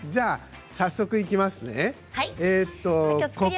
早速、いきますね。